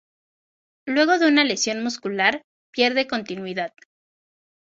Luego de una lesión muscular, pierde continuidad.